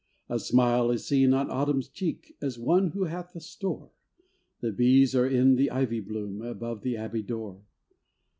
A smile is seen on Autumn's cheek, As one who hath a store ; The bees are in the ivy bloom, Above the abbey door.